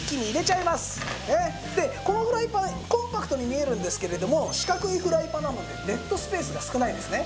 でこのフライパンコンパクトに見えるんですけれども四角いフライパンなのでデッドスペースが少ないですね。